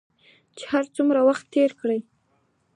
چې هر څومره وخت تېر کړې